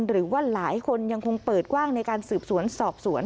หรือว่าหลายคนยังคงเปิดกว้างในการสืบสวนสอบสวน